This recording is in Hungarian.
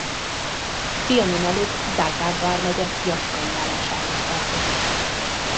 Trianon előtt Zágráb vármegye Jaskai járásához tartozott.